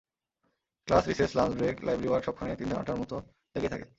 Class, recess, lunch break, library work সবখানেই তিনজন আঠার মতো লেগেই থাকে।